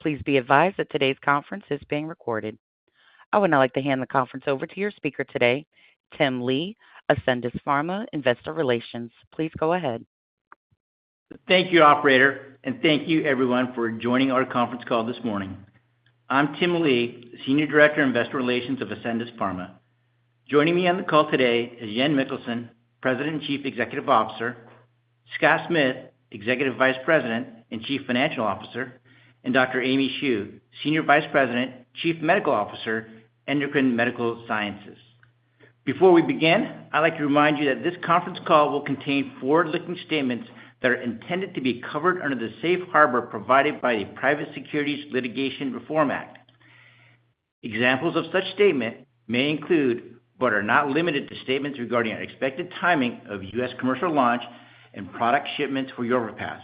Please be advised that today's conference is being recorded. I would now like to hand the conference over to your speaker today, Tim Lee, Ascendis Pharma, Investor Relations. Please go ahead. Thank you, operator, and thank you everyone for joining our conference call this morning. I'm Tim Lee, Senior Director, Investor Relations of Ascendis Pharma. Joining me on the call today is Jan Mikkelsen, President and Chief Executive Officer, Scott Smith, Executive Vice President and Chief Financial Officer, and Dr. Aimee Shu, Senior Vice President, Chief Medical Officer, Endocrine Medical Sciences. Before we begin, I'd like to remind you that this conference call will contain forward-looking statements that are intended to be covered under the safe harbor provided by a Private Securities Litigation Reform Act. Examples of such statements may include, but are not limited to, statements regarding our expected timing of U.S. commercial launch and product shipments for Yorvipath,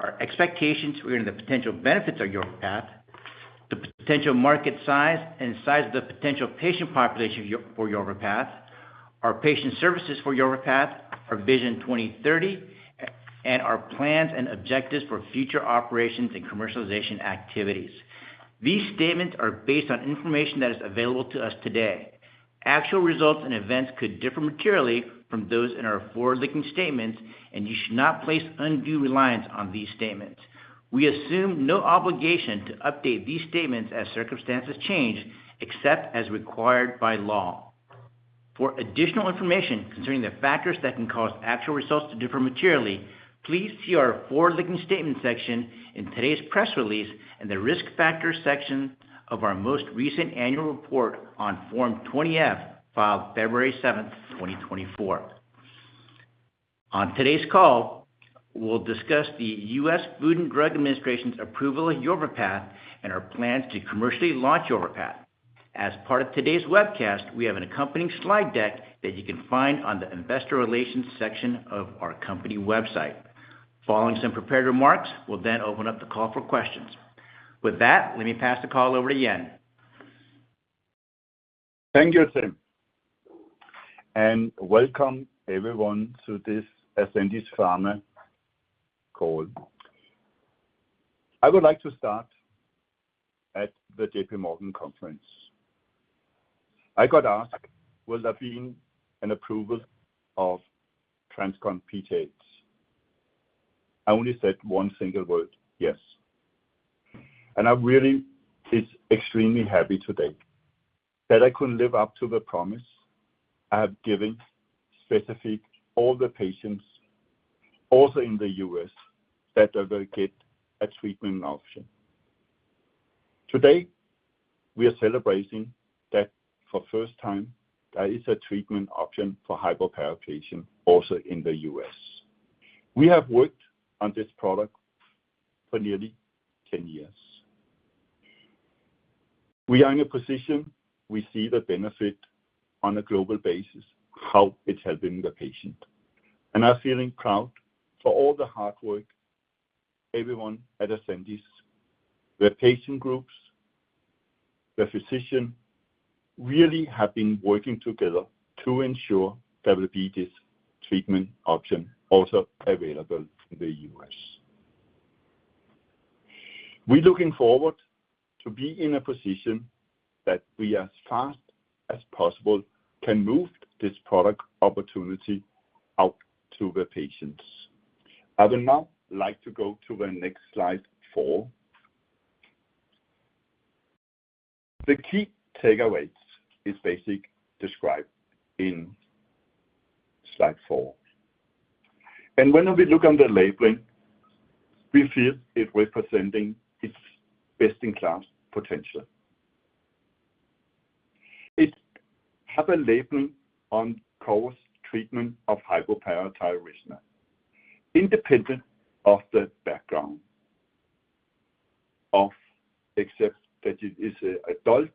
our expectations regarding the potential benefits of Yorvipath, the potential market size and size of the potential patient population for Yorvipath, our patient services for Yorvipath, our Vision 2030, and our plans and objectives for future operations and commercialization activities. These statements are based on information that is available to us today. Actual results and events could differ materially from those in our forward-looking statements, and you should not place undue reliance on these statements. We assume no obligation to update these statements as circumstances change, except as required by law. For additional information concerning the factors that can cause actual results to differ materially, please see our forward-looking statement section in today's press release and the Risk Factors section of our most recent annual report on Form 20-F, filed February 7th, 2024. On today's call, we'll discuss the U.S. Food and Drug Administration's approval of Yorvipath and our plans to commercially launch Yorvipath. As part of today's webcast, we have an accompanying slide deck that you can find on the Investor Relations section of our company website. Following some prepared remarks, we'll then open up the call for questions. With that, let me pass the call over to Jan. Thank you, Tim, and welcome everyone to this Ascendis Pharma call. I would like to start at the J.P. Morgan conference. I got asked, "Will there be an approval of TransCon PTH?" I only said one single word, "Yes." And I really is extremely happy today that I could live up to the promise I have given, specifically all the patients, also in the U.S., that they will get a treatment option. Today, we are celebrating that for first time, there is a treatment option for hypoparathyroid patient, also in the U.S. We have worked on this product for nearly 10 years. We are in a position, we see the benefit on a global basis, how it's helping the patient, and are feeling proud for all the hard work, everyone at Ascendis, the patient groups, the physician, really have been working together to ensure that we get this treatment option also available in the US. We're looking forward to be in a position that we, as fast as possible, can move this product opportunity out to the patients. I would now like to go to the next slide 4. The key takeaways is basically described in slide 4. When we look on the labeling, we feel it representing its best-in-class potential. It have a label on cause treatment of hypoparathyroidism, independent of the background of... Except that it is a adult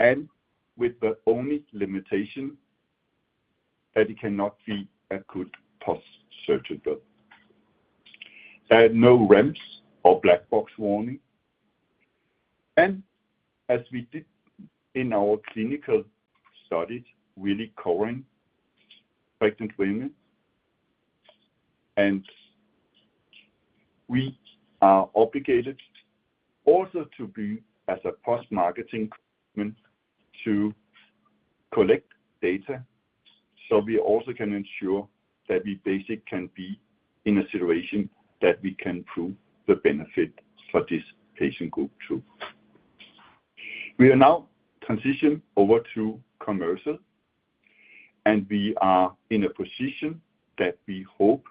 and with the only limitation that it cannot be a good post-surgical. No REMS or black box warning. As we did in our clinical studies, really covering pregnant women, and we are obligated also to be as a post-marketing to collect data, so we also can ensure that we basically can be in a situation that we can prove the benefit for this patient group, too. We are now transitioning over to commercial, and we are in a position that we hope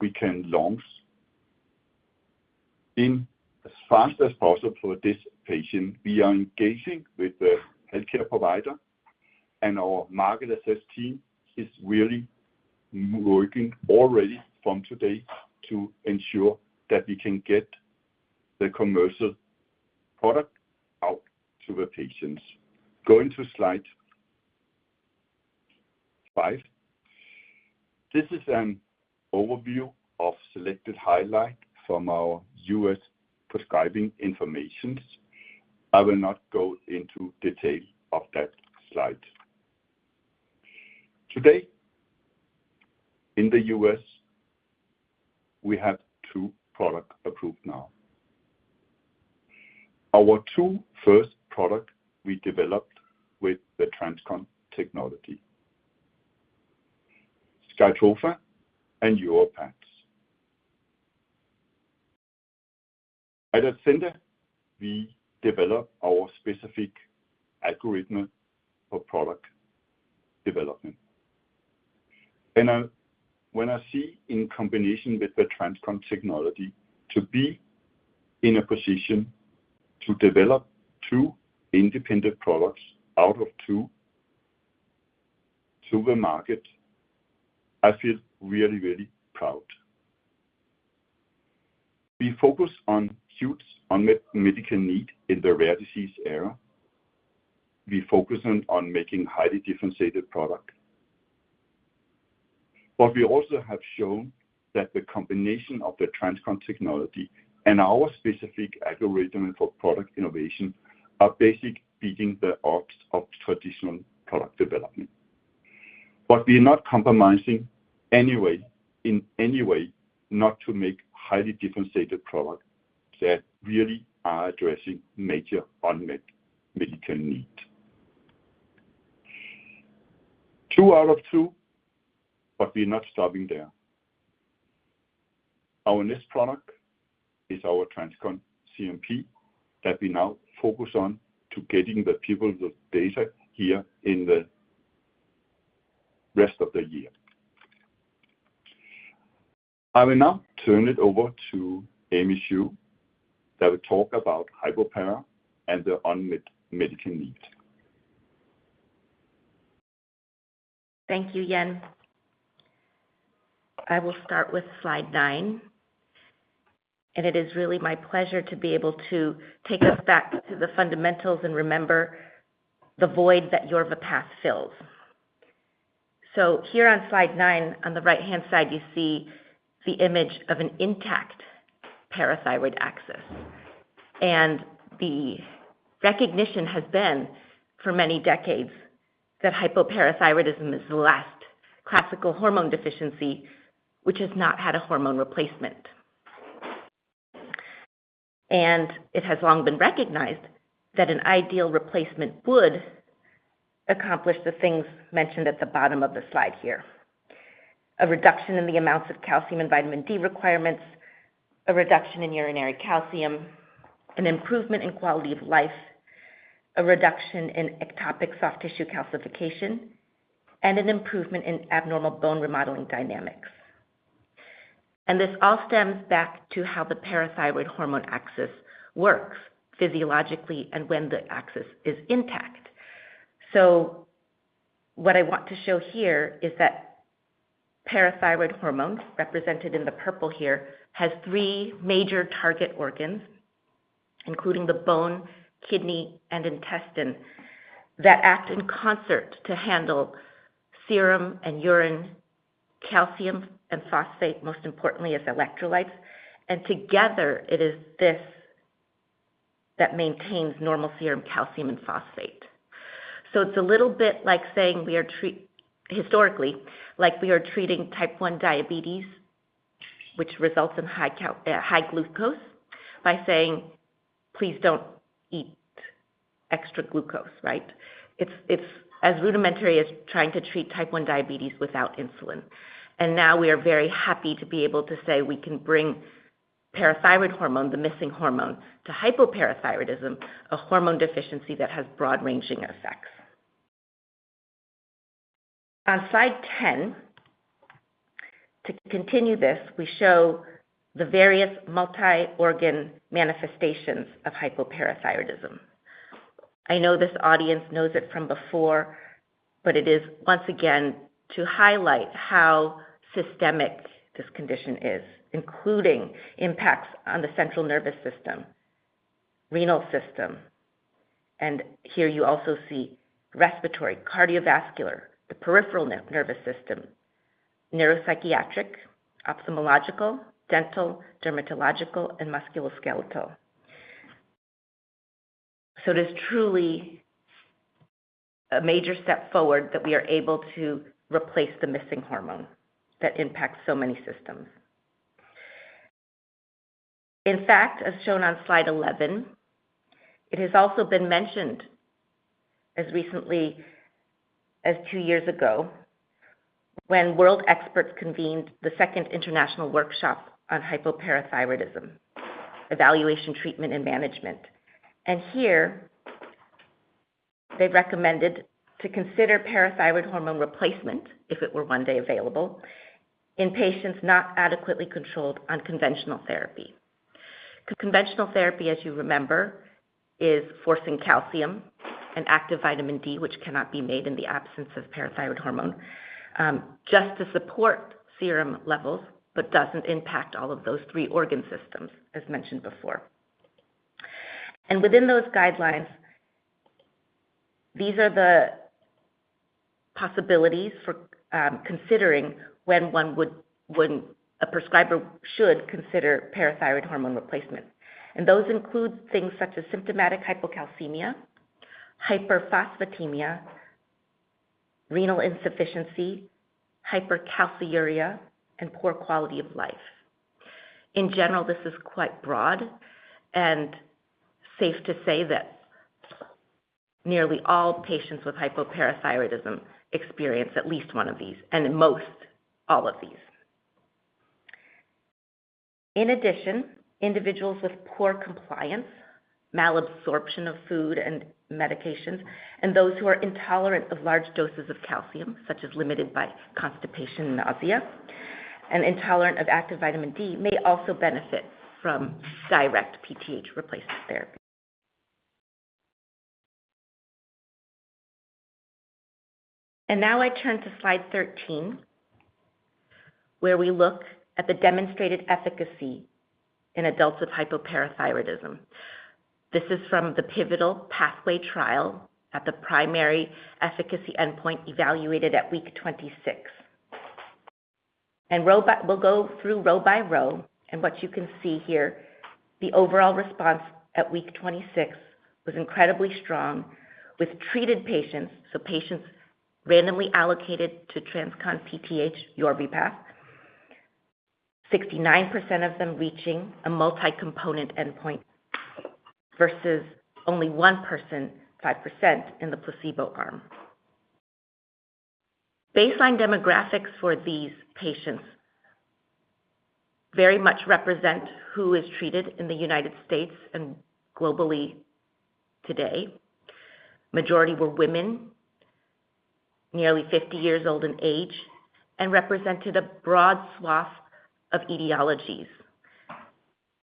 we can launch in as fast as possible for this patient. We are engaging with the healthcare provider, and our market access team is really working already from today to ensure that we can get the commercial product out to the patients. Going to slide five. This is an overview of selected highlights from our U.S. prescribing information. I will not go into detail of that slide. Today, in the U.S., we have two products approved now. Our first two products we developed with the TransCon technology, Skytrofa and Yorvipath. At Ascendis, we develop our specific algorithm for product development. I, when I see in combination with the TransCon technology to be in a position to develop two independent products out of two to the market, feel really, really proud. We focus on huge unmet medical need in the rare disease area. We focus on, on making highly differentiated product. But we also have shown that the combination of the TransCon technology and our specific algorithm for product innovation are basically beating the odds of traditional product development. But we are not compromising any way, in any way, not to make highly differentiated product that really are addressing major unmet medical need. Two out of two, but we're not stopping there. Our next product is our TransCon CNP, that we now focus on to getting the people the data here in the rest of the year. I will now turn it over to Aimee Shu, that will talk about hypoparathyroidism and the unmet medical need. Thank you, Jan. I will start with slide nine, and it is really my pleasure to be able to take us back to the fundamentals and remember the void that Yorvipath fills. Here on slide nine, on the right-hand side, you see the image of an intact parathyroid axis. The recognition has been for many decades that hypoparathyroidism is the last classical hormone deficiency, which has not had a hormone replacement. It has long been recognized that an ideal replacement would accomplish the things mentioned at the bottom of the slide here. A reduction in the amounts of calcium and vitamin D requirements, a reduction in urinary calcium, an improvement in quality of life, a reduction in ectopic soft tissue calcification, and an improvement in abnormal bone remodeling dynamics. This all stems back to how the parathyroid hormone axis works physiologically and when the axis is intact. What I want to show here is that parathyroid hormone, represented in the purple here, has three major target organs, including the bone, kidney, and intestine, that act in concert to handle serum and urine, calcium and phosphate, most importantly, as electrolytes, and together it is this that maintains normal serum, calcium, and phosphate. It's a little bit like saying we are treating historically, like we are treating type one diabetes, which results in high glucose by saying, "Please don't eat extra glucose," right? It's as rudimentary as trying to treat type one diabetes without insulin. Now we are very happy to be able to say we can bring parathyroid hormone, the missing hormone, to hypoparathyroidism, a hormone deficiency that has broad-ranging effects. On slide 10, to continue this, we show the various multi-organ manifestations of hypoparathyroidism. I know this audience knows it from before, but it is once again to highlight how systemic this condition is, including impacts on the central nervous system, renal system, and here you also see respiratory, cardiovascular, the peripheral nervous system, neuropsychiatric, ophthalmological, dental, dermatological, and musculoskeletal. So it is truly a major step forward that we are able to replace the missing hormone that impacts so many systems. In fact, as shown on slide 11, it has also been mentioned as recently as two years ago, when world experts convened the second international workshop on hypoparathyroidism, evaluation, treatment, and management. And here, they recommended to consider parathyroid hormone replacement, if it were one day available, in patients not adequately controlled on conventional therapy. Conventional therapy, as you remember, is forcing calcium and active vitamin D, which cannot be made in the absence of parathyroid hormone, just to support serum levels, but doesn't impact all of those three organ systems, as mentioned before. Within those guidelines, these are the possibilities for considering when a prescriber should consider parathyroid hormone replacement. Those include things such as symptomatic hypocalcemia, hyperphosphatemia, renal insufficiency, hypercalciuria, and poor quality of life. In general, this is quite broad and safe to say that nearly all patients with hypoparathyroidism experience at least one of these, and in most, all of these. In addition, individuals with poor compliance, malabsorption of food and medications, and those who are intolerant of large doses of calcium, such as limited by constipation and nausea, and intolerant of active vitamin D, may also benefit from direct PTH replacement therapy. And now I turn to slide 13, where we look at the demonstrated efficacy in adults with hypoparathyroidism. This is from the pivotal PaTHway Trial at the primary efficacy endpoint evaluated at week 26. And we'll go through row by row, and what you can see here, the overall response at week 26 was incredibly strong with treated patients, so patients randomly allocated to TransCon PTH, Yorvipath, 69% of them reaching a multicomponent endpoint versus only 1.5% in the placebo arm. Baseline demographics for these patients very much represent who is treated in the United States and globally today. Majority were women, nearly 50 years old in age and represented a broad swath of etiologies,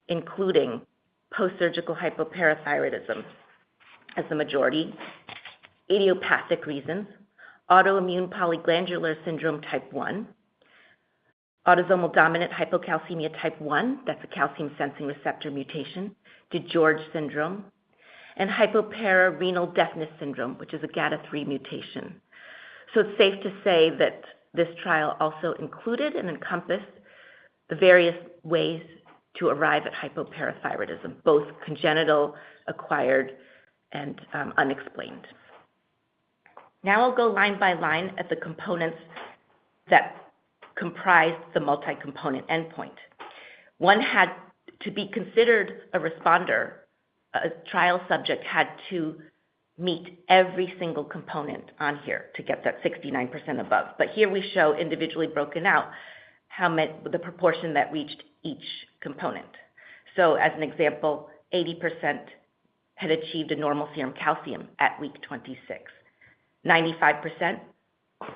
including post-surgical hypoparathyroidism as the majority, idiopathic reasons, autoimmune polyglandular syndrome type 1, autosomal dominant hypocalcemia type 1, that's a calcium-sensing receptor mutation, DiGeorge syndrome, and hypoparathyroid renal deafness syndrome, which is a GATA3 mutation. So it's safe to say that this trial also included and encompassed the various ways to arrive at hypoparathyroidism, both congenital, acquired, and unexplained. Now I'll go line by line at the components that comprise the multicomponent endpoint. One had to be considered a responder, a trial subject had to meet every single component on here to get that 69% above. But here we show individually broken out how many, the proportion that reached each component. So as an example, 80% had achieved a normal serum calcium at week 26. 95%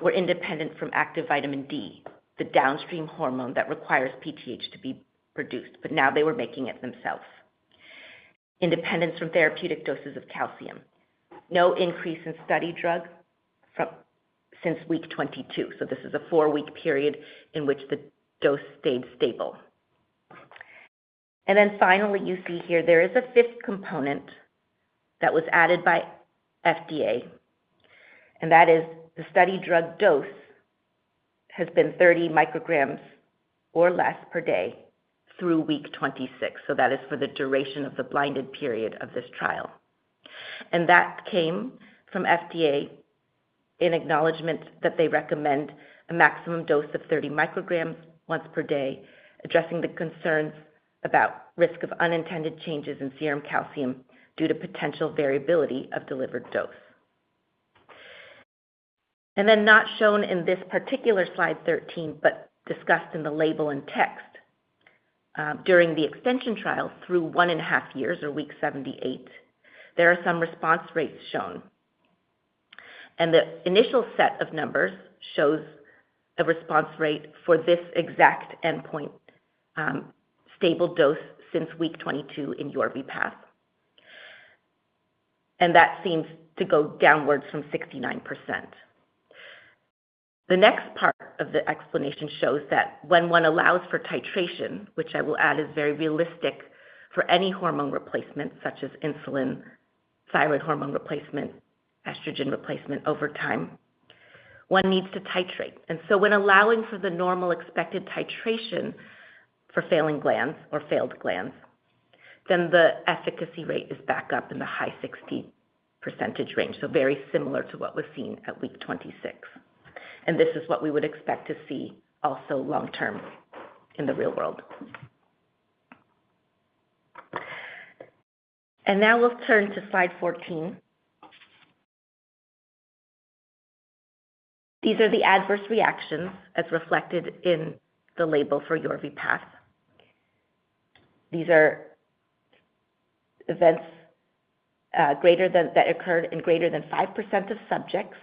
were independent from active vitamin D, the downstream hormone that requires PTH to be produced, but now they were making it themselves. Independence from therapeutic doses of calcium. No increase in study drug from, since week 22, so this is a 4-week period in which the dose stayed stable. And then finally, you see here there is a fifth component that was added by FDA, and that is the study drug dose has been 30 micrograms or less per day through week 26. So that is for the duration of the blinded period of this trial. And that came from FDA in acknowledgment that they recommend a maximum dose of 30 micrograms once per day, addressing the concerns about risk of unintended changes in serum calcium due to potential variability of delivered dose. And then not shown in this particular slide 13, but discussed in the label and text, during the extension trial through 1.5 years or week 78, there are some response rates shown. And the initial set of numbers shows the response rate for this exact endpoint, stable dose since week 22 in Yorvipath. And that seems to go downwards from 69%. The next part of the explanation shows that when one allows for titration, which I will add is very realistic for any hormone replacement, such as insulin, thyroid hormone replacement, estrogen replacement, over time, one needs to titrate. And so when allowing for the normal expected titration for failing glands or failed glands, then the efficacy rate is back up in the high 60% range. So very similar to what was seen at week 26. This is what we would expect to see also long-term in the real world. Now we'll turn to slide 14. These are the adverse reactions as reflected in the label for Yorvipath. These are events greater than that occurred in greater than 5% of subjects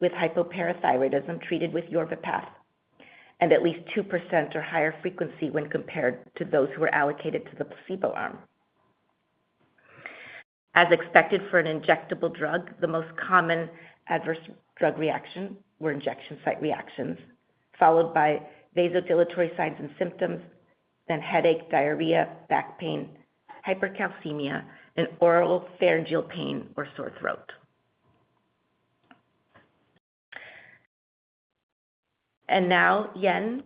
with hypoparathyroidism treated with Yorvipath, and at least 2% or higher frequency when compared to those who were allocated to the placebo arm. As expected for an injectable drug, the most common adverse drug reaction were injection site reactions, followed by vasodilatory signs and symptoms, then headache, diarrhea, back pain, hypercalcemia, and oropharyngeal pain or sore throat.... And now, Jan,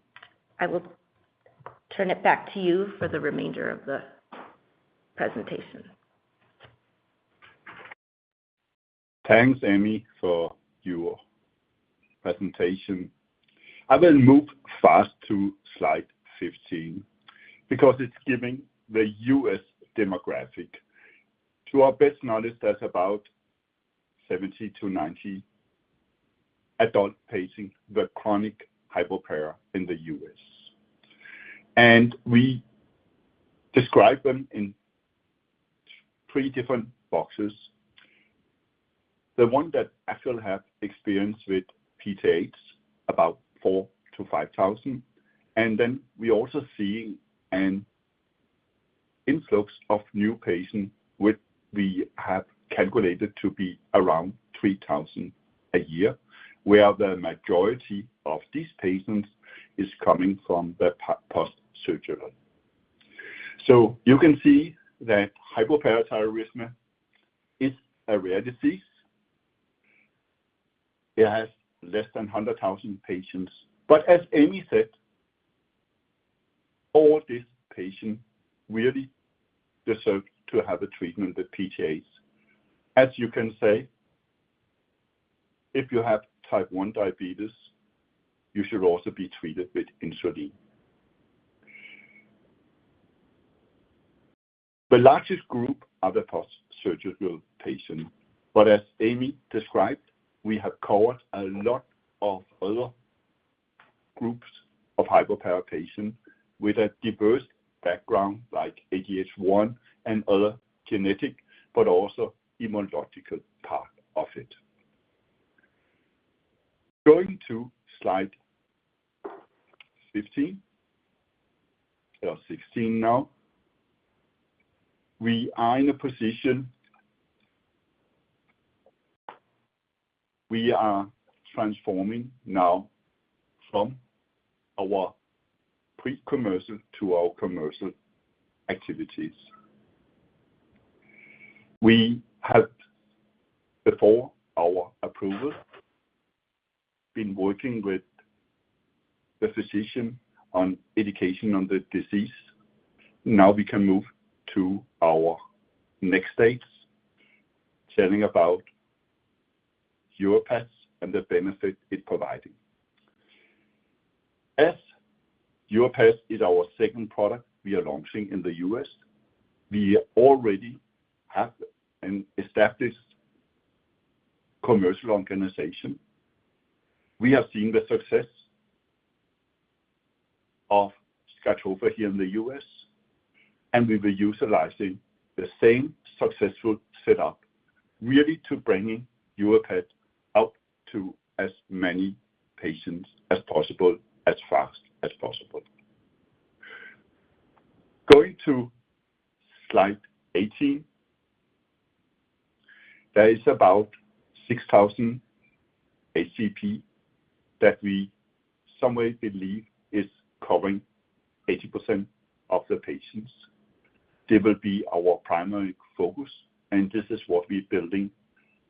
I will turn it back to you for the remainder of the presentation. Thanks, Aimee, for your presentation. I will move fast to slide 15, because it's giving the U.S. demographic. To our best knowledge, there's about 70-90 adult patients with chronic hypoparathyroidism in the U.S. And we describe them in three different boxes. The one that actually have experience with PTH, about 4,000-5,000, and then we also seeing an influx of new patients, which we have calculated to be around 3,000 a year, where the majority of these patients is coming from the post-surgical. So you can see that hypoparathyroidism is a rare disease. It has less than 100,000 patients. But as Aimee said, all these patients really deserve to have a treatment with PTH. As you can say, if you have type 1 diabetes, you should also be treated with insulin. The largest group are the post-surgical patient, but as Aimee described, we have covered a lot of other groups of hypoparathyroid patient with a diverse background, like ADH1 and other genetic, but also immunological part of it. Going to slide 15, or 16 now. We are in a position, we are transforming now from our pre-commercial to our commercial activities. We had, before our approval, been working with the physician on education on the disease. Now we can move to our next stage, telling about Yorvipath and the benefit it providing. As Yorvipath is our second product we are launching in the US, we already have an established commercial organization. We have seen the success of Skytrofa here in the US, and we were utilizing the same successful setup, really to bringing Yorvipath out to as many patients as possible, as fast as possible. Going to slide 18. There is about 6,000 HCP that we someway believe is covering 80% of the patients. They will be our primary focus, and this is what we're building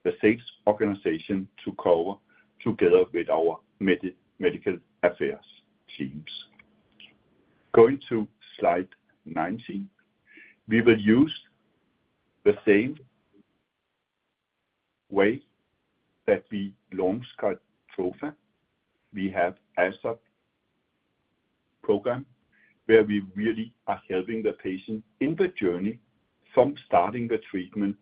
the sales organization to cover together with our medical affairs teams. Going to slide 19. We will use the same way that we launched Skytrofa. We have as a program, where we really are helping the patient in the journey from starting the treatment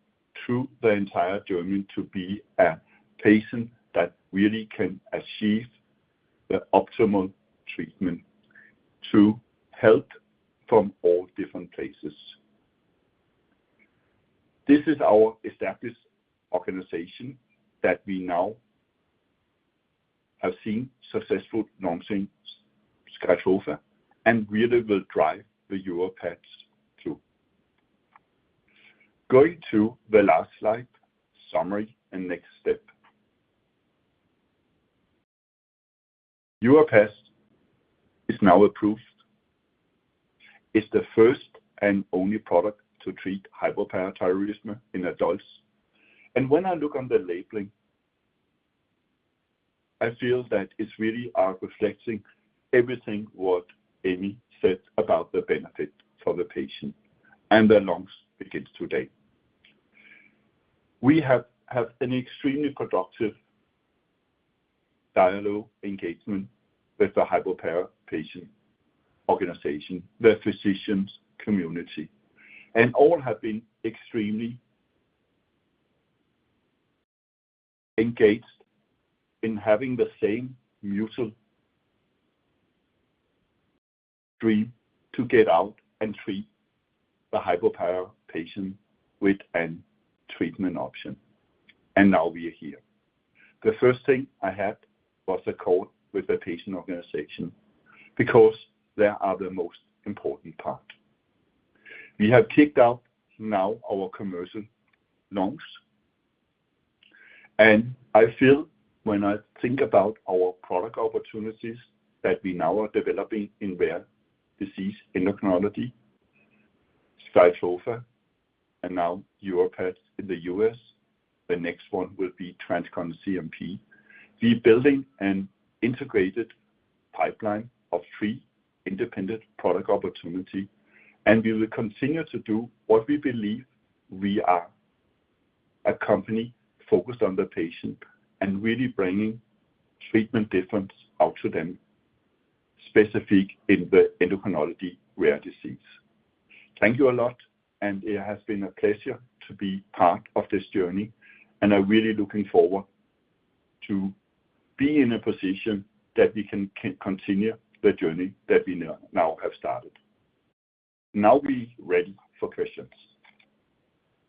through the entire journey, to be a patient that really can achieve the optimal treatment through help from all different places. This is our established organization that we now have seen successful launching Skytrofa, and really will drive the Yorvipath, too. Going to the last slide, summary and next step. Yorvipath is now approved. It's the first and only product to treat hypoparathyroidism in adults. When I look on the labeling, I feel that it really are reflecting everything what Aimee said about the benefit for the patient, and the launch begins today. We have had an extremely productive dialogue engagement with the hypoparathyroidism patient organization, the physicians community, and all have been extremely engaged in having the same mutual dream to get out and treat the hypoparathyroidism patient with an treatment option. Now we are here. The first thing I had was a call with the patient organization, because they are the most important part. We have kicked out now our commercial launch, and I feel when I think about our product opportunities, that we now are developing in rare disease endocrinology.... Skytrofa and now Yorvipath in the US. The next one will be TransCon CNP. We're building an integrated pipeline of three independent product opportunity, and we will continue to do what we believe we are: a company focused on the patient and really bringing treatment difference out to them, specific in the endocrinology rare disease. Thank you a lot, and it has been a pleasure to be part of this journey, and I'm really looking forward to be in a position that we can continue the journey that we now have started. Now we ready for questions.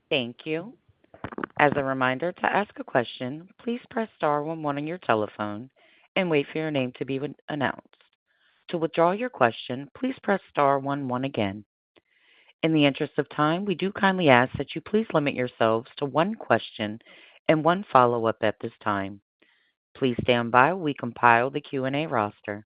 Thank you. As a reminder to ask a question, please press star one one on your telephone and wait for your name to be announced. To withdraw your question, please press star one one again. In the interest of time, we do kindly ask that you please limit yourselves to one question and one follow-up at this time. Please stand by while we compile the Q&A roster.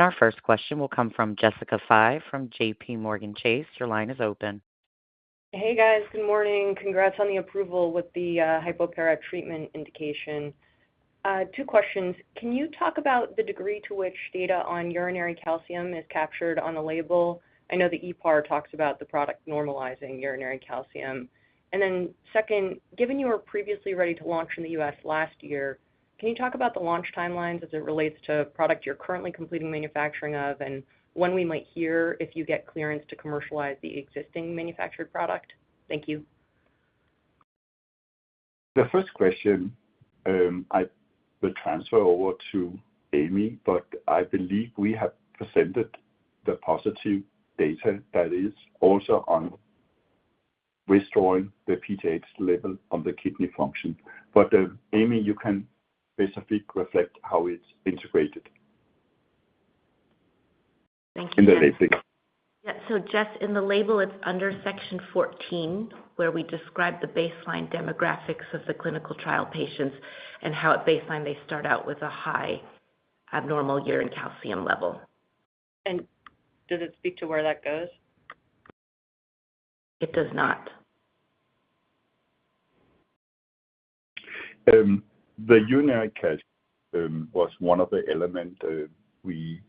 Our first question will come from Jessica Fye from J.P. Morgan. Your line is open. Hey, guys. Good morning. Congrats on the approval with the hypoparathyroidism treatment indication. Two questions: Can you talk about the degree to which data on urinary calcium is captured on the label? I know the ePAR talks about the product normalizing urinary calcium. And then second, given you were previously ready to launch in the U.S. last year, can you talk about the launch timelines as it relates to product you're currently completing manufacturing of, and when we might hear if you get clearance to commercialize the existing manufactured product? Thank you. The first question, I will transfer over to Aimee, but I believe we have presented the positive data that is also on restoring the PTH level on the kidney function. But, Aimee, you can basically reflect how it's integrated- Thank you In the labeling. Yeah. So Jess, in the label, it's under section 14, where we describe the baseline demographics of the clinical trial patients and how at baseline they start out with a high abnormal urine calcium level. Does it speak to where that goes? It does not. The urinary calcium was one of the element we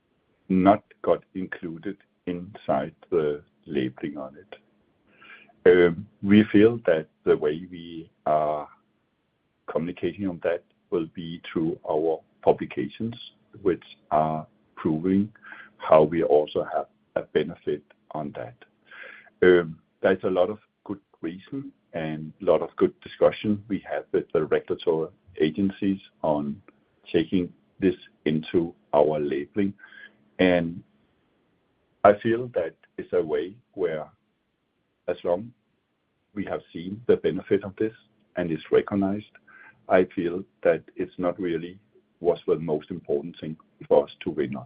not got included inside the labeling on it. We feel that the way we are communicating on that will be through our publications, which are proving how we also have a benefit on that. There's a lot of good reason and a lot of good discussion we have with the regulatory agencies on taking this into our labeling, and I feel that it's a way where as long we have seen the benefit of this and it's recognized, I feel that it's not really what's the most important thing for us to win on.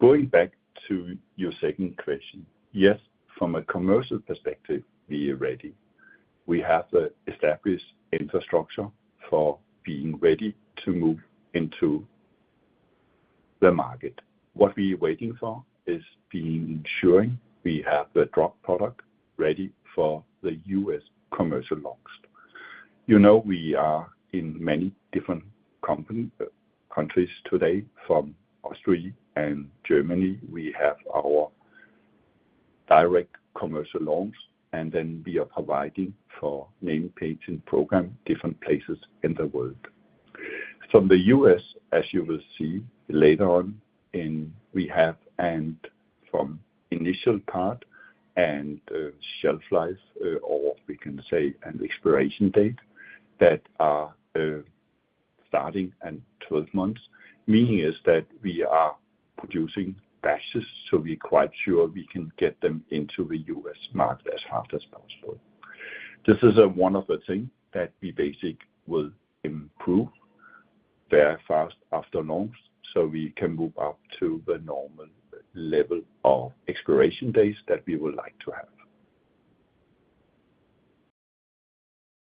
Going back to your second question, yes, from a commercial perspective, we are ready. We have the established infrastructure for being ready to move into the market. What we are waiting for is ensuring we have the drug product ready for the U.S. commercial launch. You know, we are in many different countries today. From Austria and Germany, we have our direct commercial launch, and then we are providing named patient program, different places in the world. From the U.S., as you will see later on, and we have, and for the initial batch and shelf life, or we can say an expiration date, that are starting in 12 months, meaning that we are producing batches, so we're quite sure we can get them into the U.S. market as fast as possible. This is one of the things that we basically will improve very fast after launch, so we can move up to the normal level of expiration dates that we would like to have.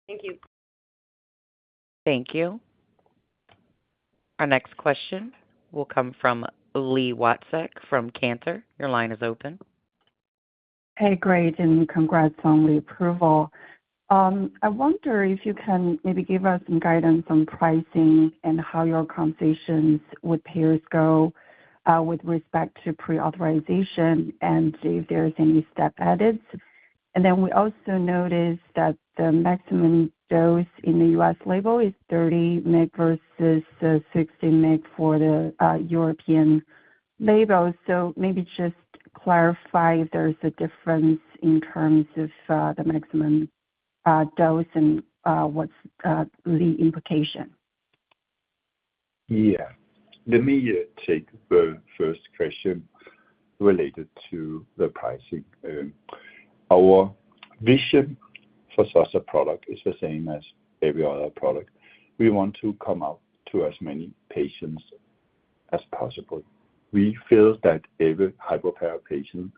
Thank you. Thank you. Our next question will come from Li Watsek from Cantor. Your line is open. Hey, great, and congrats on the approval. I wonder if you can maybe give us some guidance on pricing and how your conversations with payers go with respect to pre-authorization and see if there's any step edits. And then we also noticed that the maximum dose in the U.S. label is 30 mg versus the 60 mg for the European label. So maybe just clarify if there's a difference in terms of the maximum dose and what's the implication? Yeah. Let me take the first question related to the pricing. Our vision for such a product is the same as every other product. We want to come out to as many patients as possible. We feel that every hypoparathyroid patient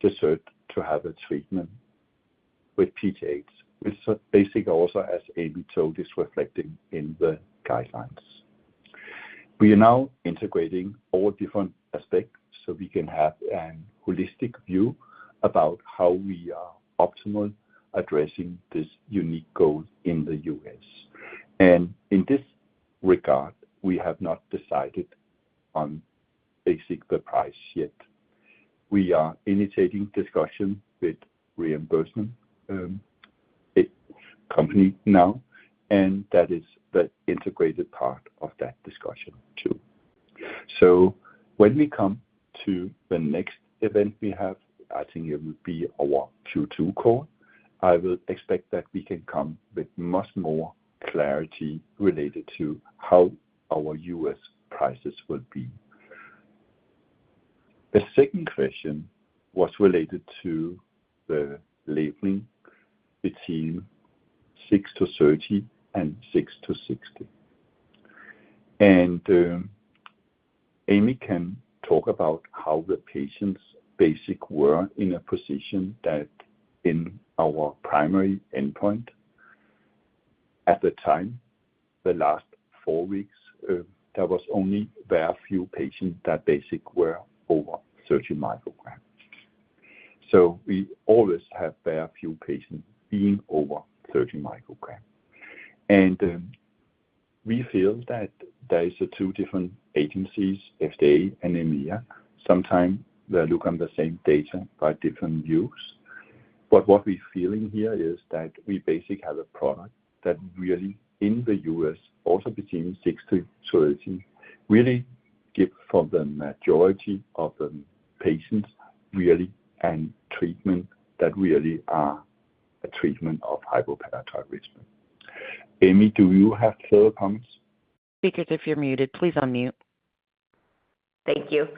deserve to have a treatment with PTH, which is basically, as Aimee told, reflecting in the guidelines. We are now integrating all different aspects so we can have an holistic view about how we are optimally addressing this unique goal in the U.S. And in this regard, we have not decided on a specific price yet. We are initiating discussion with a reimbursement company now, and that is the integrated part of that discussion, too. So when we come to the next event we have, I think it will be our Q2 call, I will expect that we can come with much more clarity related to how our US prices will be. The second question was related to the labeling between 6-30 and 6-60. And, Aimee can talk about how the patients basically were in a position that in our primary endpoint at the time, the last 4 weeks, there was only very few patients that basically were over 30 micrograms. So we always have very few patients being over 30 micrograms. And, we feel that there is 2 different agencies, FDA and EMEA, sometimes they look on the same data by different views. But what we're feeling here is that we basically have a product that really in the US, also between 6-30, really give for the majority of the patients, really, and treatment that really are a treatment of hypoparathyroidism. Aimee, do you have further comments? Speaker, if you're muted, please unmute. Thank you.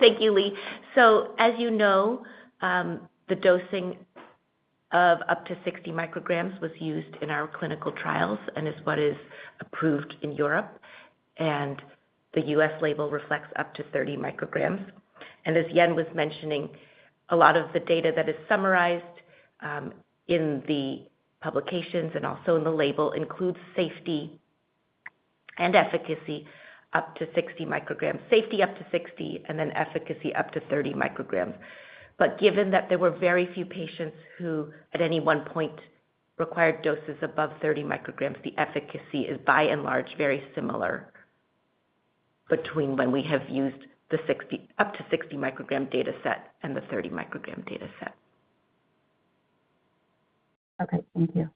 Thank you, Lee. So as you know, the dosing of up to 60 micrograms was used in our clinical trials and is what is approved in Europe, and the U.S. label reflects up to 30 micrograms. And as Jan was mentioning, a lot of the data that is summarized in the publications and also in the label includes safety and efficacy up to 60 micrograms. Safety up to 60, and then efficacy up to 30 micrograms. But given that there were very few patients who, at any one point, required doses above 30 micrograms, the efficacy is by and large very similar between when we have used the 60- up to 60 microgram data set and the 30 microgram data set. Okay, thank you.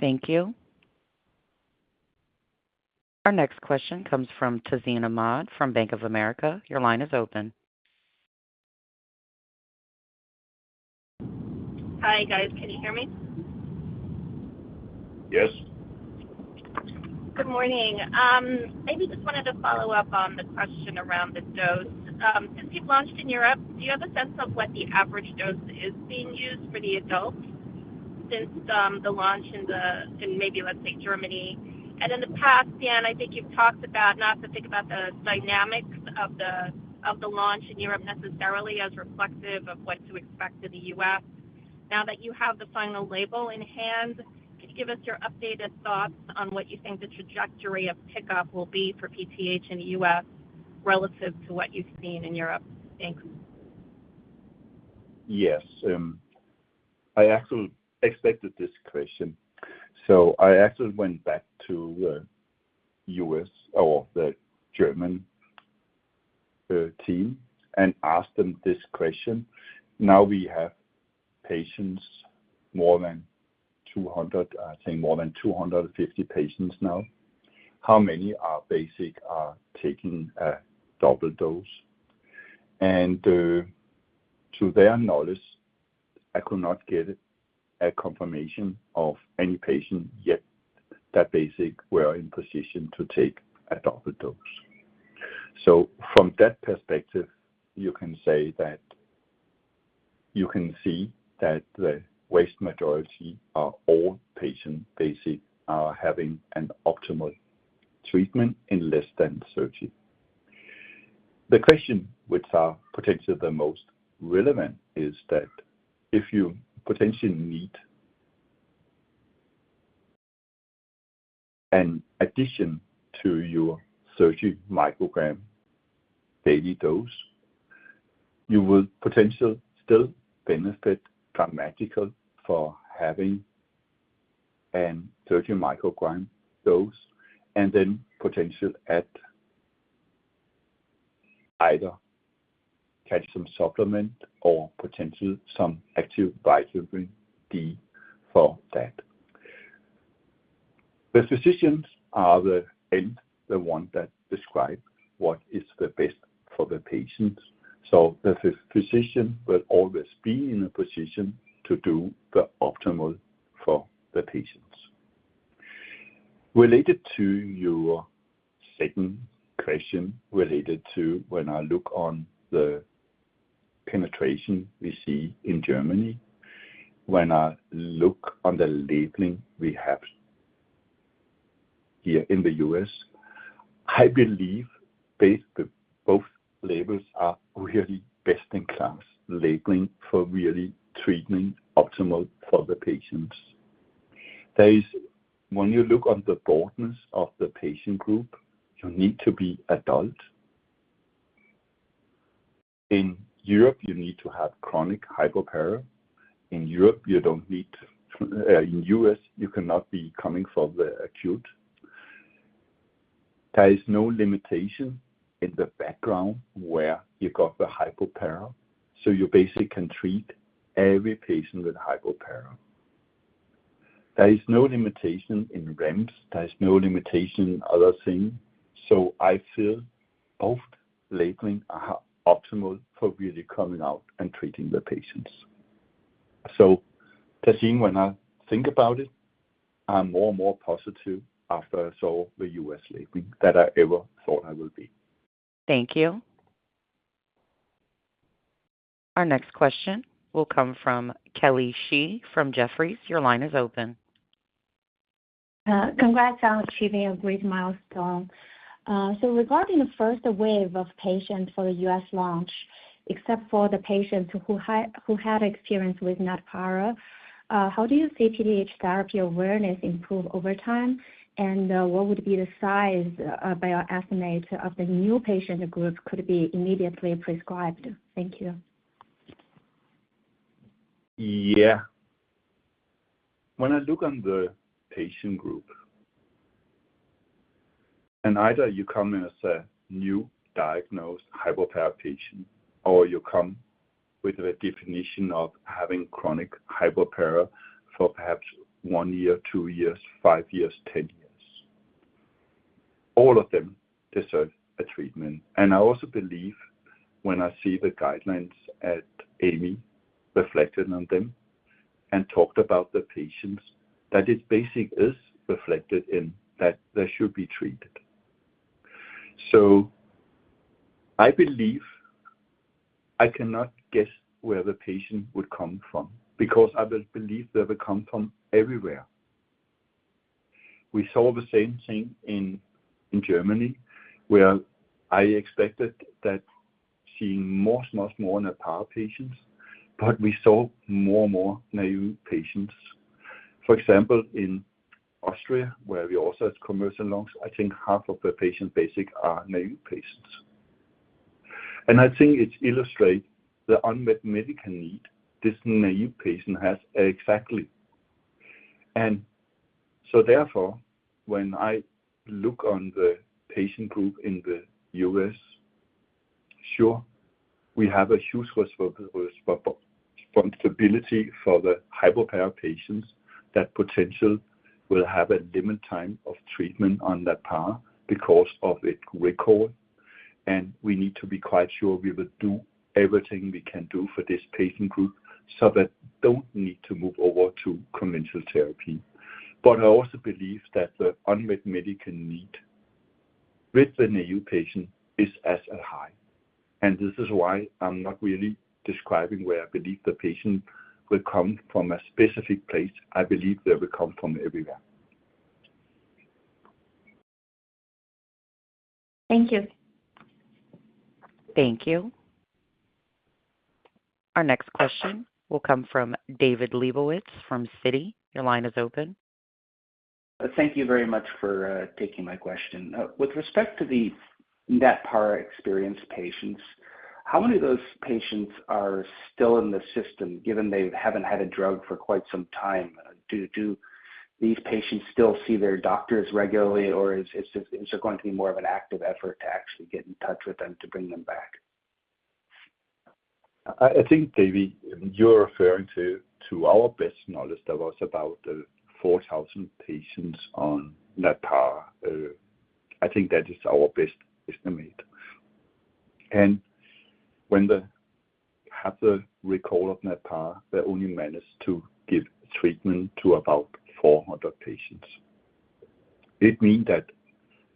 Thank you. Our next question comes from Tazeen Ahmad from Bank of America. Your line is open. Hi, guys. Can you hear me? Yes. Good morning. Maybe just wanted to follow up on the question around the dose. Since you've launched in Europe, do you have a sense of what the average dose is being used for the adults since the launch in maybe, let's say, Germany? And in the past, Jan, I think you've talked about not to think about the dynamics of the launch in Europe necessarily as reflective of what to expect in the US. Now that you have the final label in hand, could you give us your updated thoughts on what you think the trajectory of pickup will be for PTH in the US relative to what you've seen in Europe? Thanks. Yes. I actually expected this question. So I actually went back to the U.S. or the German, team and asked them this question. Now, we have patients, more than 200, I think more than 250 patients now. How many are basically taking a double dose? And, to their knowledge, I could not get a confirmation of any patient yet, that basically were in position to take a double dose. So from that perspective, you can say that you can see that the vast majority are all patients, they see, are having an optimal treatment in less than 30. The question which are potentially the most relevant is that if you potentially need an addition to your 30 microgram daily dose, you will potentially still benefit dramatically for having a 30 microgram dose, and then potentially add either calcium supplement or potentially some active vitamin D for that. The physicians are the end, the one that describe what is the best for the patients, so the physician will always be in a position to do the optimal for the patients. Related to your second question, related to when I look on the penetration we see in Germany, when I look on the labeling we have here in the U.S. I believe based both labels are really best in class labeling for really treatment optimal for the patients. There is, when you look on the broadness of the patient group, you need to be adult. In Europe, you need to have chronic hypoparathyroidism. In Europe, you don't need to, in the US, you cannot be coming from the acute. There is no limitation in the background where you got the hypoparathyroidism, so you basically can treat every patient with hypoparathyroidism. There is no limitation in REMS. There is no limitation in other things. So I feel both labelings are optimal for really coming out and treating the patients. So Tazeen, when I think about it, I'm more and more positive after I saw the US labeling than I ever thought I will be. Thank you. Our next question will come from Kelly Shi from Jefferies. Your line is open. Congrats on achieving a great milestone. So regarding the first wave of patients for the U.S. launch, except for the patients who had experience with Natpara, how do you see PTH therapy awareness improve over time? And, what would be the size, by your estimate, of the new patient group could be immediately prescribed? Thank you. Yeah. When I look on the patient group, and either you come in as a newly diagnosed hypoparathyroid patient, or you come with a diagnosis of having chronic hypoparathyroidism for perhaps 1 year, 2 years, 5 years, 10 years. All of them deserve a treatment. And I also believe when I see the guidelines that Aimee reflected on them and talked about the patients, that it basically is reflected in that they should be treated. So I believe I cannot guess where the patient would come from, because I believe they will come from everywhere. We saw the same thing in Germany, where I expected that seeing much, much more Natpara patients, but we saw more and more naive patients. For example, in Austria, where we also have commercial launch, I think half of the patients basically are naive patients. I think it illustrates the unmet medical need this naïve patient has, exactly. So therefore, when I look on the patient group in the US, sure, we have a huge responsibility for the hypoparathyroid patients that potentially will have a limited time of treatment on Natpara because of its recall, and we need to be quite sure we will do everything we can do for this patient group, so that they don't need to move over to conventional therapy. But I also believe that the unmet medical need with the naïve patient is as high, and this is why I'm not really describing where I believe the patient will come from a specific place. I believe they will come from everywhere. Thank you. Thank you. Our next question will come from David Lebowitz from Citi. Your line is open. Thank you very much for taking my question. With respect to the Natpara experienced patients, how many of those patients are still in the system, given they haven't had a drug for quite some time? Do these patients still see their doctors regularly, or is it going to be more of an active effort to actually get in touch with them to bring them back? I think, David, you're referring to our best knowledge, there was about 4,000 patients on Natpara. I think that is our best estimate. And when they had the recall of Natpara, they only managed to give treatment to about 400 patients. It means that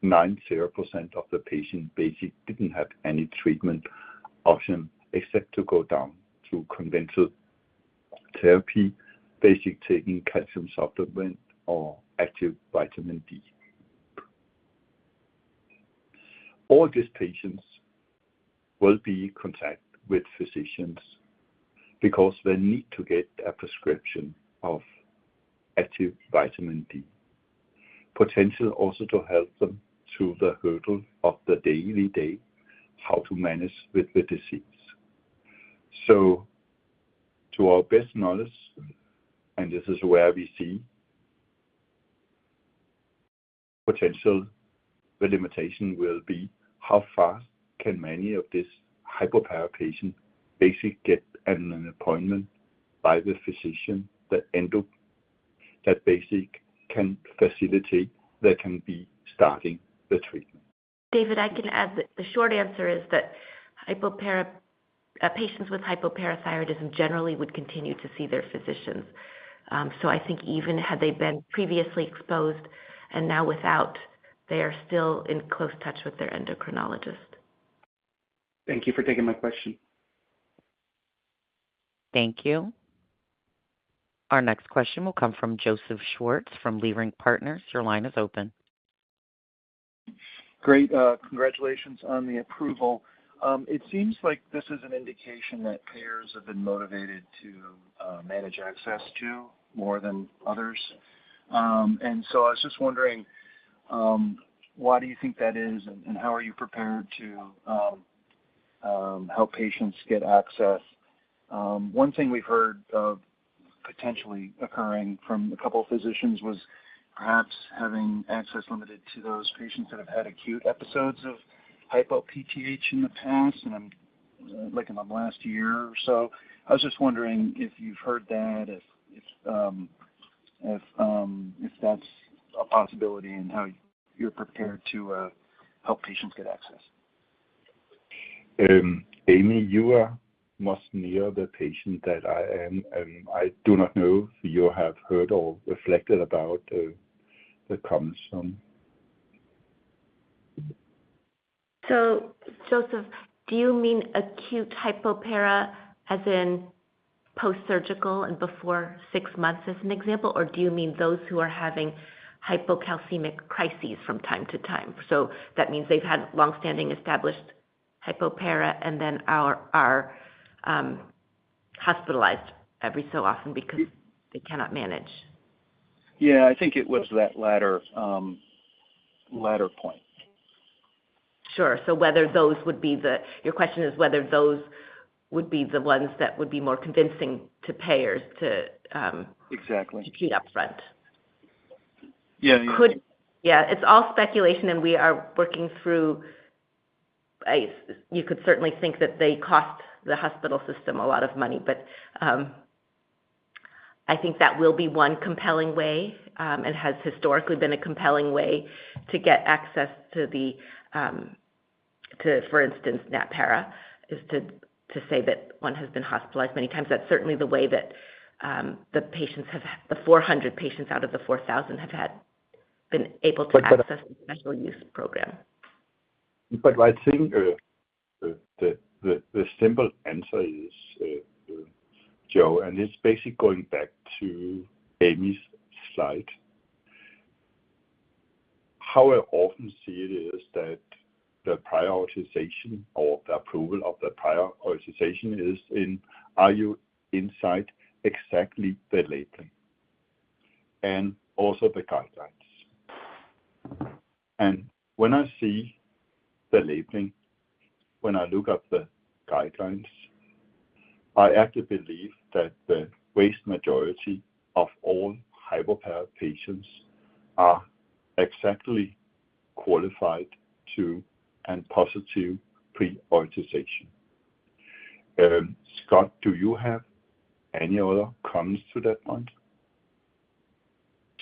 90% of the patients basically didn't have any treatment option except to go down to conventional therapy, basically taking calcium supplement or active vitamin D. All these patients will be in contact with physicians because they need to get a prescription of active vitamin D. Potentially, also to help them through the hurdle of the daily day, how to manage with the disease. So to our best knowledge, and this is where we see potential, the limitation will be, how fast can many of these hypoparathyroid patients basically get an appointment by the physician, the endo, that basically can facilitate, that can be starting the treatment? David, I can add that the short answer is that patients with hypoparathyroidism generally would continue to see their physicians. So I think even had they been previously exposed and now without, they are still in close touch with their endocrinologist. Thank you for taking my question. Thank you. Our next question will come from Joseph Schwartz, from Leerink Partners. Your line is open. Great. Congratulations on the approval. It seems like this is an indication that payers have been motivated to manage access to more than others. And so I was just wondering why do you think that is, and how are you prepared to help patients get access? One thing we've heard of potentially occurring from a couple of physicians was perhaps having access limited to those patients that have had acute episodes of hypo PTH in the past, and like in the last year or so. I was just wondering if you've heard that, if that's a possibility and how you're prepared to help patients get access. Aimee, you are most near the patient that I am, and I do not know if you have heard or reflected about the comments. So Joseph, do you mean acute hypopara, as in post-surgical and before six months, as an example? Or do you mean those who are having hypocalcemic crises from time to time, so that means they've had long-standing, established hypopara and then are hospitalized every so often because they cannot manage? Yeah, I think it was that latter, latter point. Sure. So whether those would be the... Your question is whether those would be the ones that would be more convincing to payers to, Exactly. To keep upfront. Yeah. Yeah, it's all speculation, and we are working through. You could certainly think that they cost the hospital system a lot of money, but I think that will be one compelling way, and has historically been a compelling way to get access to the, for instance, Natpara, is to say that one has been hospitalized many times. That's certainly the way that the patients have, the 400 patients out of the 4,000 have had been able to access- But- - the special use program. But I think, the simple answer is, Joe, and it's basically going back to Aimee's slide. How I often see it is that the prioritization or the approval of the prioritization is in, are you inside exactly the labeling and also the guidelines? And when I see the labeling, when I look up the guidelines, I actually believe that the vast majority of all hypoparath patients are exactly qualified to and positive pre-authorization. Scott, do you have any other comments to that point?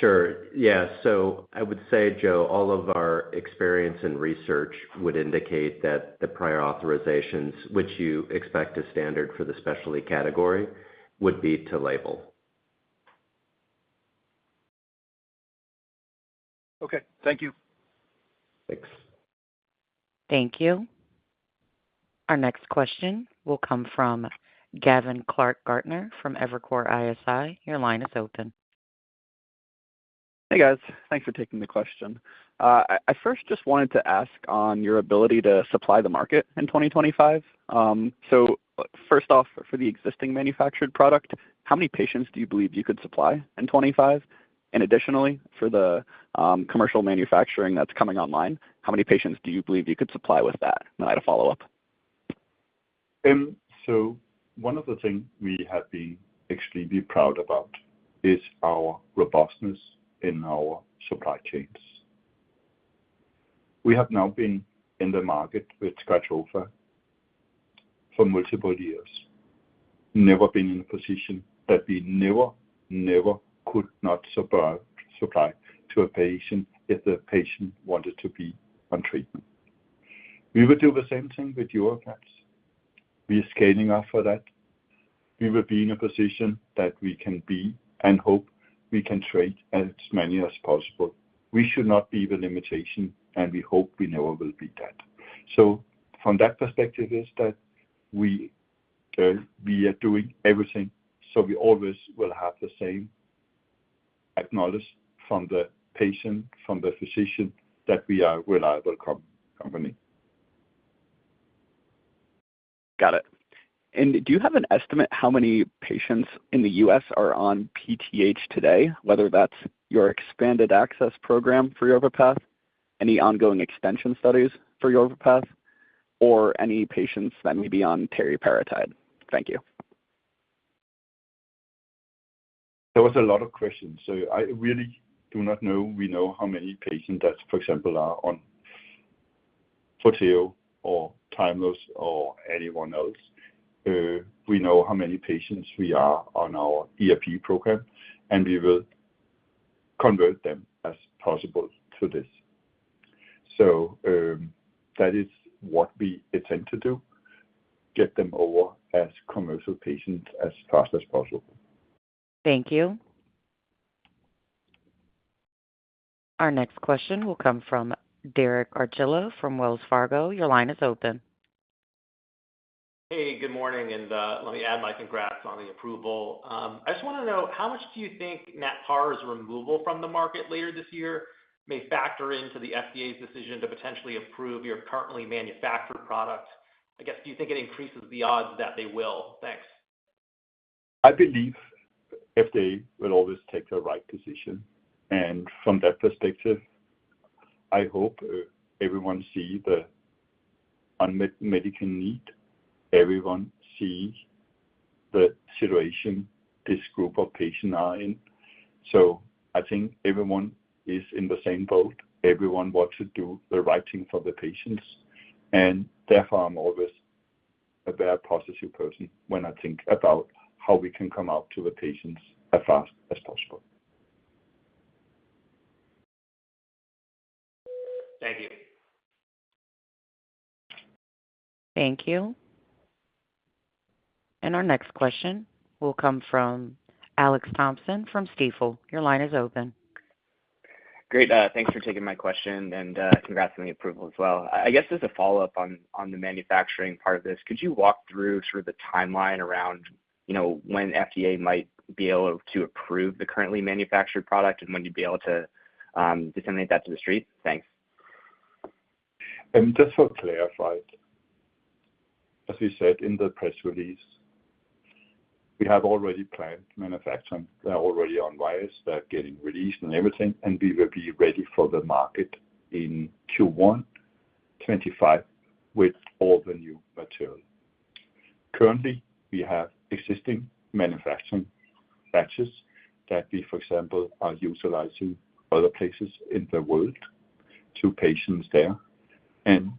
Sure. Yeah. So I would say, Joe, all of our experience and research would indicate that the prior authorizations, which you expect as standard for the specialty category, would be to label. Okay, thank you. Thanks. Thank you. Our next question will come from Gavin Clark-Gartner from Evercore ISI. Your line is open. Hey, guys. Thanks for taking the question. I first just wanted to ask on your ability to supply the market in 2025. So first off, for the existing manufactured product, how many patients do you believe you could supply in 25? And additionally, for the commercial manufacturing that's coming online, how many patients do you believe you could supply with that? And I had a follow-up. So one of the things we have been extremely proud about is our robustness in our supply chains. We have now been in the market with Skytrofa for multiple years, never been in a position that we never could not supply to a patient if the patient wanted to be on treatment. We will do the same thing with Yorvipath. We are scaling up for that. We will be in a position that we can be and hope we can treat as many as possible. We should not be the limitation, and we hope we never will be that. So from that perspective, it is that we are doing everything, so we always will have the same acknowledgment from the patient, from the physician, that we are a reliable company. Got it. Do you have an estimate how many patients in the U.S. are on PTH today, whether that's your expanded access program for Yorvipath, any ongoing extension studies for Yorvipath, or any patients that may be on teriparatide? Thank you. That was a lot of questions. So I really do not know. We know how many patients that, for example, are on Forteo or Tymlos or anyone else. We know how many patients we are on our EAP program, and we will convert them as possible to this. So, that is what we intend to do, get them over as commercial patients as fast as possible. Thank you. Our next question will come from Derek Archila from Wells Fargo. Your line is open. Hey, good morning, and, let me add my congrats on the approval. I just want to know, how much do you think Natpara's removal from the market later this year may factor into the FDA's decision to potentially approve your currently manufactured product? I guess, do you think it increases the odds that they will? Thanks. I believe FDA will always take the right position, and from that perspective, I hope everyone see the unmet medical need. Everyone sees the situation this group of patients are in. So I think everyone is in the same boat. Everyone wants to do the right thing for the patients, and therefore, I'm always a very positive person when I think about how we can come out to the patients as fast as possible. Thank you. Thank you. Our next question will come from Alex Thompson from Stifel. Your line is open. Great. Thanks for taking my question and, congrats on the approval as well. I guess as a follow-up on, on the manufacturing part of this, could you walk through sort of the timeline around, you know, when FDA might be able to approve the currently manufactured product and when you'd be able to, disseminate that to the street? Thanks. Just for clarification, as we said in the press release, we have already planned manufacturing. They're already on file. They're getting released and everything, and we will be ready for the market in Q1 2025 with all the new material. Currently, we have existing manufacturing batches that we, for example, are utilizing in other places in the world for patients there, and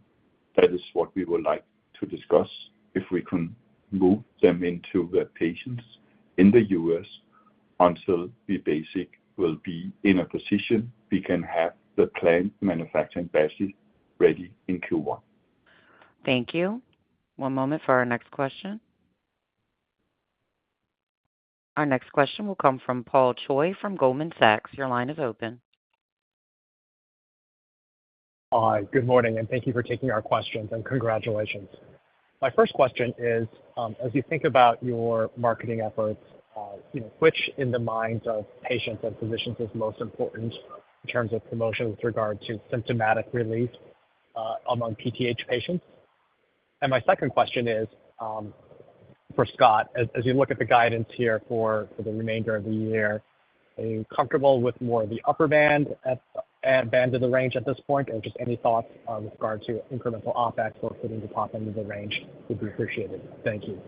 that is what we would like to discuss, if we can move them to the patients in the US until we basically will be in a position we can have the planned manufacturing batches ready in Q1 2025. Thank you. One moment for our next question. Our next question will come from Paul Choi from Goldman Sachs. Your line is open. Hi, good morning, and thank you for taking our questions, and congratulations. My first question is, as you think about your marketing efforts, you know, which in the minds of patients and physicians is most important in terms of promotion with regard to symptomatic relief, among PTH patients? And my second question is, for Scott. As you look at the guidance here for the remainder of the year, are you comfortable with more of the upper band at band of the range at this point? And just any thoughts, with regard to incremental OpEx or putting the top end of the range would be appreciated. Thank you.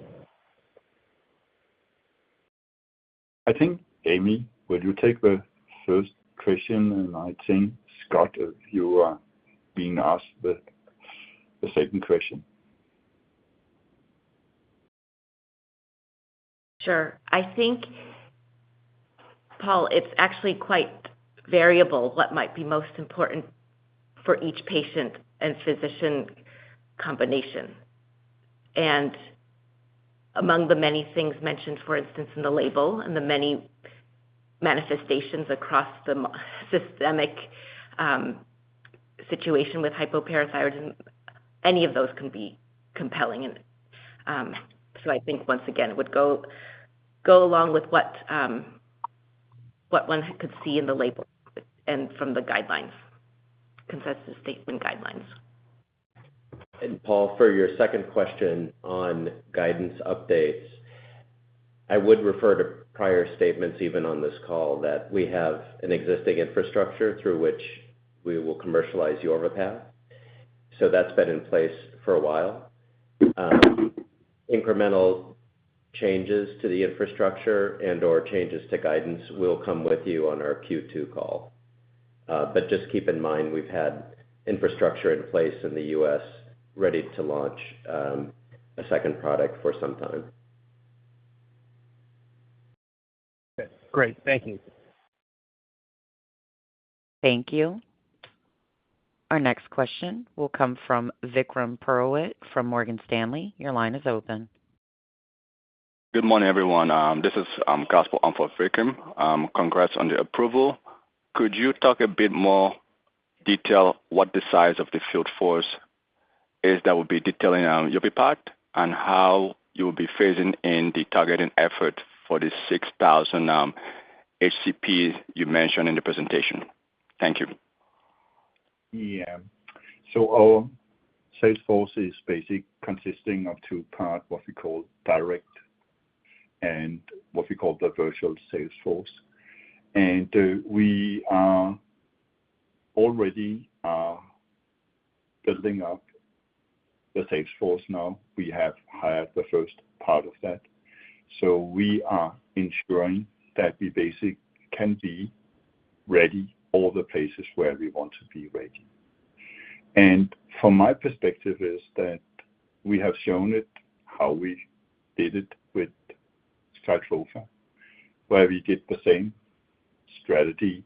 I think, Aimee, will you take the first question, and I think, Scott, if you are being asked the second question. Sure. I think, Paul, it's actually quite variable, what might be most important for each patient and physician combination. And among the many things mentioned, for instance, in the label and the many manifestations across the systemic situation with hypoparathyroidism, any of those can be compelling. And, so I think once again, it would go along with what, what one could see in the label and from the guidelines, consensus statement guidelines. And Paul, for your second question on guidance updates, I would refer to prior statements, even on this call, that we have an existing infrastructure through which we will commercialize the Yorvipath. So that's been in place for a while. Incremental changes to the infrastructure and/or changes to guidance will come with you on our Q2 call. But just keep in mind, we've had infrastructure in place in the U.S. ready to launch a second product for some time. Okay, great. Thank you. Thank you. Our next question will come from Vikram Purohit from Morgan Stanley. Your line is open. Good morning, everyone. This is Kasper Amfort for Vikram. Congrats on the approval. Could you talk a bit more detail what the size of the field force is that will be detailing Yorvipath, and how you will be phasing in the targeting effort for the 6,000 HCPs you mentioned in the presentation? Thank you. Yeah. So our sales force is basically, consisting of two parts, what we call direct and what we call the virtual sales force. And we are already building up the sales force now. We have hired the first part of that. So we are ensuring that we basically can be ready all the places where we want to be ready. And from my perspective is that we have shown it, how we did it with Skytrofa, where we did the same strategy,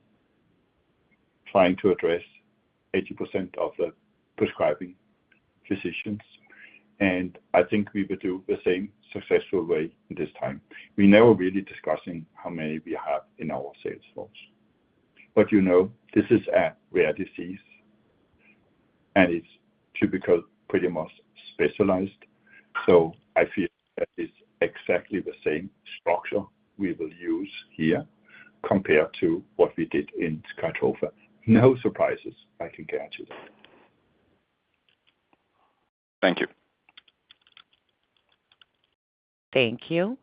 trying to address 80% of the prescribing physicians, and I think we will do the same successful way this time. We're never really discussing how many we have in our sales force. But you know, this is a rare disease, and it's typical, pretty much specialized. I feel that it's exactly the same structure we will use here compared to what we did in Skytrofa. No surprises, I can guarantee you. Thank you. Thank you.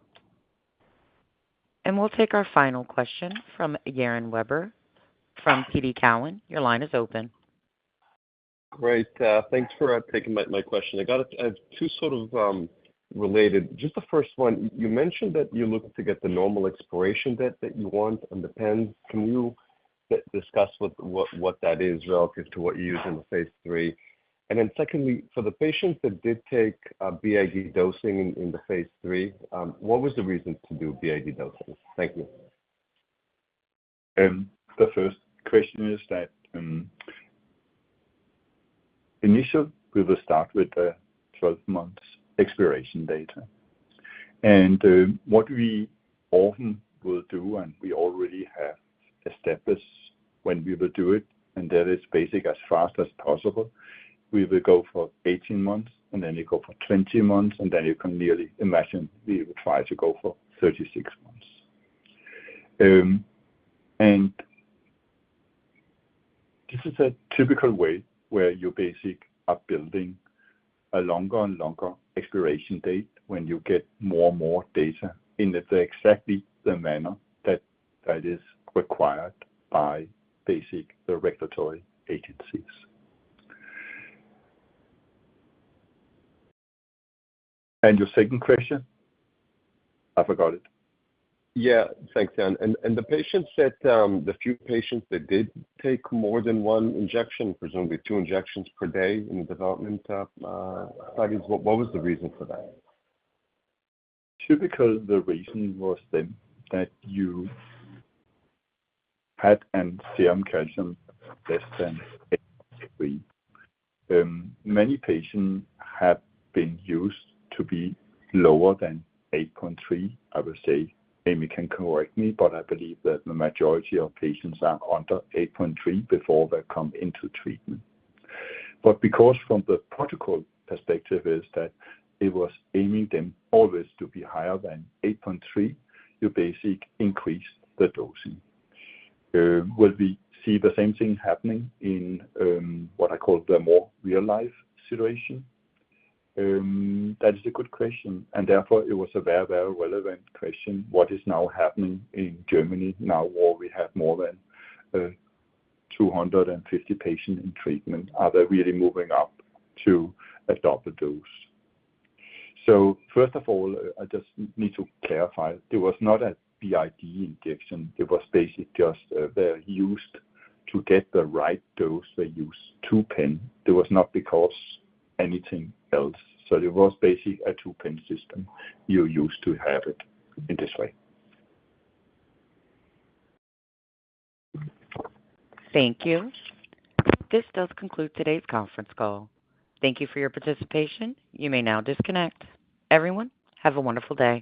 And we'll take our final question from Yaron Werber from TD Cowen. Your line is open. Great. Thanks for taking my question. I got two sort of related. Just the first one, you mentioned that you're looking to get the normal expiration date that you want on the pen. Can you discuss what that is relative to what you use in the phase 3? And then secondly, for the patients that did take BID dosing in the phase 3, what was the reason to do BID dosing? Thank you. The first question is that initial, we will start with the 12 months expiration data. And what we often will do, and we already have established when we will do it, and that is basic, as fast as possible. We will go for 18 months, and then we go for 20 months, and then you can nearly imagine we will try to go for 36 months. And this is a typical way where you basically are building a longer and longer expiration date when you get more and more data in exactly the manner that that is required by basic regulatory agencies. And your second question? I forgot it. Yeah. Thanks, Jan. And the few patients that did take more than one injection, presumably two injections per day in the development studies, what was the reason for that? Typically, the reason was that, that you had a serum calcium less than 8.3. Many patients have been used to be lower than 8.3. I will say, Aimee can correct me, but I believe that the majority of patients are under 8.3 before they come into treatment. But because from the protocol perspective is that it was aiming them always to be higher than 8.3, you basically increase the dosing. Will we see the same thing happening in what I call the more real-life situation? That is a good question, and therefore it was a very, very relevant question. What is now happening in Germany now, where we have more than 250 patients in treatment, are they really moving up to a double dose? So first of all, I just need to clarify, there was not a BID injection. It was basically just, they're used to get the right dose. They use two pens. There was not because anything else. So it was basically a two-pen system. You used to have it in this way. Thank you. This does conclude today's conference call. Thank you for your participation. You may now disconnect. Everyone, have a wonderful day.